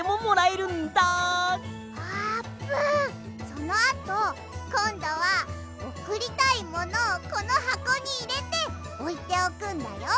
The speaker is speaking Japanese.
そのあとこんどはおくりたいものをこのはこにいれておいておくんだよ。